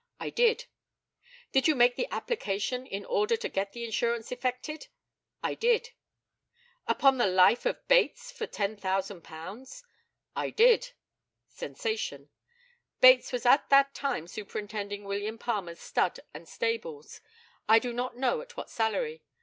I did. Did you make the application in order to get the insurance effected? I did. Upon the life of Bates for £10,000? I did. [Sensation.] Bates was at that time superintending William Palmer's stud and stables. I do not know at what salary.